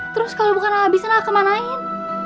terus kalau bukan a habiskan a kemanain